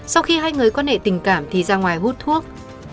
sau khi hai người có nề tình cảm thì ra ngoài hút thuốc